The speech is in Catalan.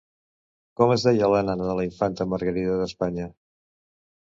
Com es deia la nana de la infanta Margarida d'Espanya?